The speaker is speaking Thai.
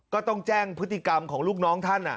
ก็ต้องแจ้งพฤติกรรมของลูกน้องท่าน